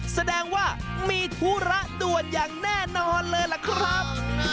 แสดงว่ามีธุระด่วนอย่างแน่นอนเลยล่ะครับ